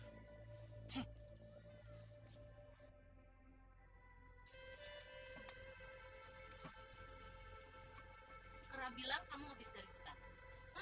pernah bilang kamu habis dari hutan